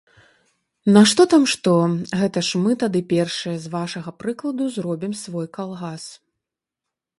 Нашто там што, гэта ж мы тады першыя з вашага прыкладу зробім свой калгас.